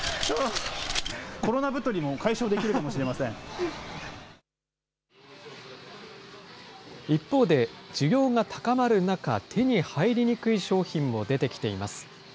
コロナ太りも解消できるかもしれ一方で、需要が高まる中、手に入りにくい商品も出てきています。